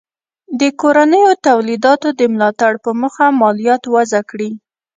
د کورنیو تولیداتو د ملاتړ په موخه مالیات وضع کړي.